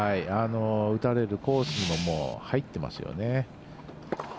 打たれるコースにも入ってますよね。